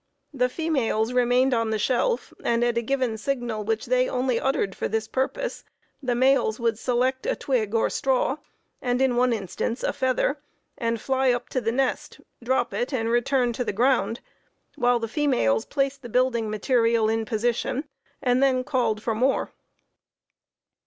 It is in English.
The females remained on the shelf, and, at a given signal which they only uttered for this purpose, the males would select a twig or straw, and in one instance a feather, and fly up to the nest, drop it and return to the ground while the females placed the building material in position and then called for more.